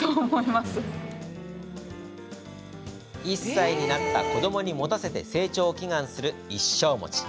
１歳になった子どもに持たせて成長を祈願する一升餅。